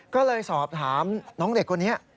ก็เลยสอบถามน้องเด็กคนนี้